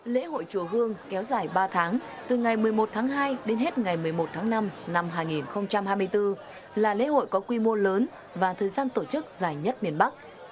lễ hội chùa hương kéo dài ba tháng từ ngày một mươi một tháng hai đến hết ngày một mươi một tháng năm năm hai nghìn hai mươi bốn là lễ hội có quy mô lớn và thời gian tổ chức dài nhất miền bắc